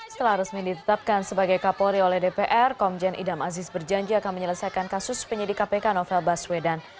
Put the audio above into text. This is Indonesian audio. setelah resmi ditetapkan sebagai kapolri oleh dpr komjen idam aziz berjanji akan menyelesaikan kasus penyidik kpk novel baswedan